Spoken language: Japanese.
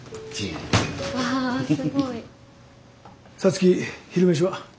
皐月昼飯は？